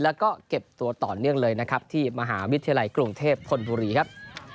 แล้วก็เก็บตัวต่อเนื่องเลยนะครับที่มหาวิทยาลัยกรุงเทพธนบุรีครับ